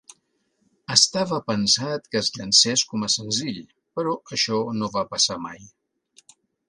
Estava pensat que es llancés com a senzill, però això no va passar mai.